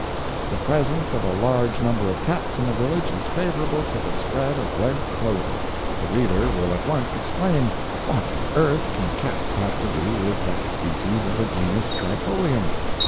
The presence of a large number of cats in a village is favorable to the spread of red clover. The reader will at once exclaim—what on earth can cats have to do with that species of the genus trifolium?